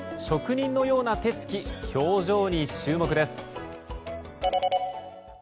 職人のような手つき表情に注目です。